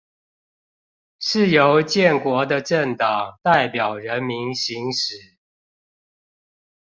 是由建國的政黨代表人民行使